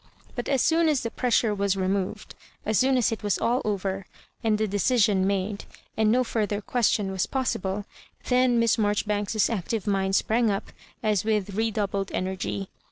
But as soon as the pressure was removed— as soon as it was all over, and the decision made, and no fur ther question was possible, then Miss Maijori banks's active mind sprang up as with redoubled energy.